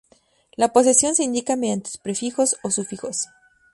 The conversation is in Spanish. La posesión se indica mediante prefijos o sufijos.